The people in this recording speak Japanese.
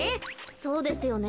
そうですよね。